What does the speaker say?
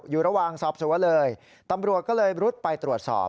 อยู่ระหว่างสอบสวนเลยตำรวจก็เลยรุดไปตรวจสอบ